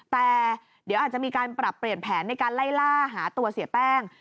แต่เดี๋ยวอาจจะมีการปรับเปลี่ยนแผนในการไล่ล่าหาตัวเสียแป้ง